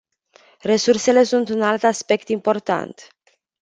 Resursele sunt un alt aspect important.